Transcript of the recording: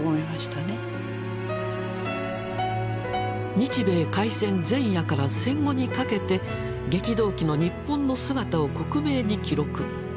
日米開戦前夜から戦後にかけて激動期の日本の姿を克明に記録。